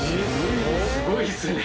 すごいですね。